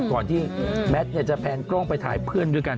ก่อนที่แมทจะแพนกล้องไปถ่ายเพื่อนด้วยกัน